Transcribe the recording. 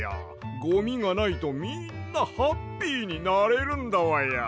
ゴミがないとみんなハッピーになれるんだわや。